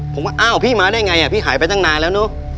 ผมก็อ้าวพี่มาได้ไงพี่หายไปตั้งนานแล้วเนอะ